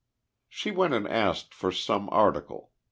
She went and asked for some article.